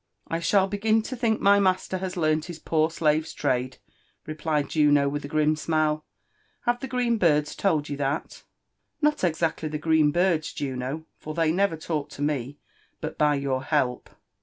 " I shadl begin to think my master has learnt his poor slave's trade," replied Juno with a grim smile. "Have the green birds told you that r '' Not exactly the green birds, Juno, for they never talk to me but by your help.